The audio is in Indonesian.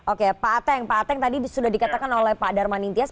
oke pak ateng tadi sudah dikatakan oleh pak darmanintias